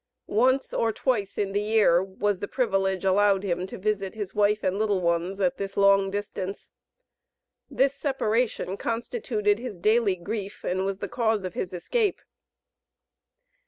Once or twice in the year, was the privilege allowed him to visit his wife and little ones at this long distance. This separation constituted his daily grief and was the cause of his escape.